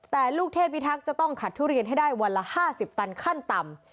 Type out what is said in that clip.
แต่ลูกเทพิทักษ์จะต้องขัดทุเรียนให้ได้วันละ๕๐ตันขั้นต่ำ